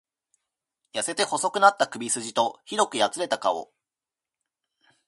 痩せて細くなった首すじと、酷くやつれた顔。